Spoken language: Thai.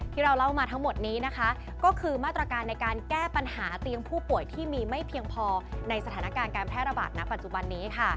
ที่เราเล่ามาทั้งหมดนี้นะคะก็คือมาตรการในการแก้ปัญหาเตียงผู้ป่วยที่มีไม่เพียงพอในสถานการณ์การแพร่ระบาดณปัจจุบันนี้ค่ะ